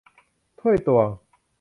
ถ้วยตวง